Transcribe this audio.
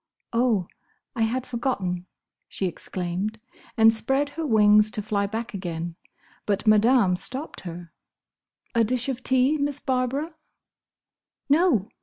"Oh! I had forgotten!" she exclaimed, and spread her wings to fly back again, but Madame stopped her. "A dish of tea, Miss Barbara?" "No!"